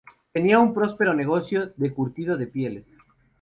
Tenía un próspero negocio de curtido de pieles.